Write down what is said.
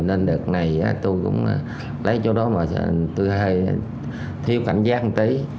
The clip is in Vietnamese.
nên đợt này tôi cũng lấy chỗ đó mà tôi hay thiếu cảnh giác tí